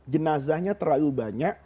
jenazahnya terlalu banyak